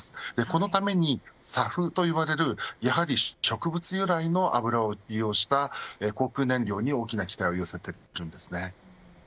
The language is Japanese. このためにＳＡＦと呼ばれる植物由来の油を利用した航空燃料に大きな期待を寄せています。